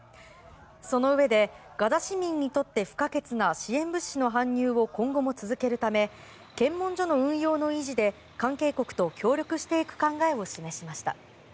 そのうえでガザ市民にとって不可欠な支援物資の搬入を今後も続けるため検問所の運用の維持で関係国と協力していく考えを示しました。